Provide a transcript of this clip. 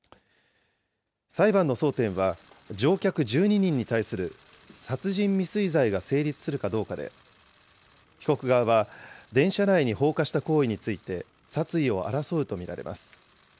裁判の争点は、乗客１２人に対する殺人未遂罪が成立するかどうかで、被告側は電車内に放火した行為について殺意を争うと見られます。